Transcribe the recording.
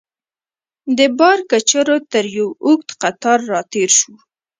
د بار کچرو تر یوه اوږد قطار راتېر شوو.